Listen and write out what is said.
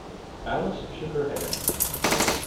Alice shook her head.